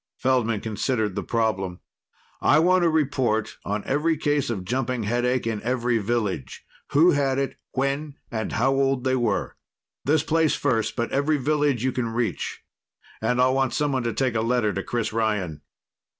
Feldman considered the problem. "I want a report on every case of jumping headache in every village who had it, when, and how old they were. This place first, but every village you can reach. And I'll want someone to take a letter to Chris Ryan."